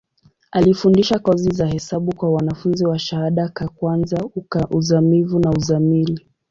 Alifundisha kozi za hesabu kwa wanafunzi wa shahada ka kwanza, uzamivu na uzamili.